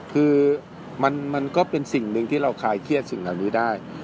คือมันก็เป็นสิ่งหนึ่งที่เราคลายเครียดสิ่งเหล่านี้ได้